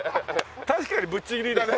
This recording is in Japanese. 確かにぶっちぎりだね。